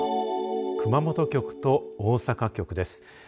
熊本局と大阪局です。